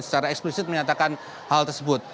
secara eksplisit menyatakan hal tersebut